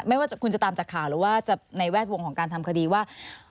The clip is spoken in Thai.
ไม่ว่าคุณจะตามจากข่าวหรือว่าจะในแวดวงของการทำคดีว่า